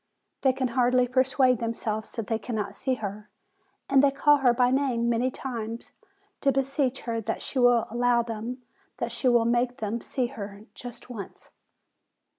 They can hardly persuade themselves that they cannot see her, and they call her by name many times, to beseech her that she will allow them, that she will make them see her just once.